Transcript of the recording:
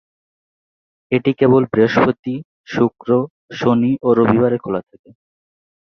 এটি কেবল বৃহস্পতি, শুক্র, শনি ও রবিবারে খোলা থাকে।